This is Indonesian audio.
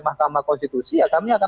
mahkamah konstitusi ya kami akan